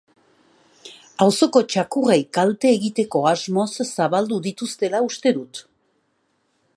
Auzoko txakurrei kalte egiteko asmoz zabaldu dituztela uste dute.